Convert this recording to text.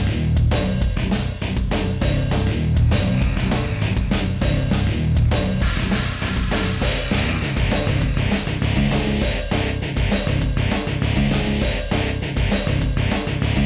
reva tunggu deh reva